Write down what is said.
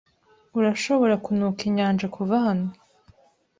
Urashobora kunuka inyanja kuva hano.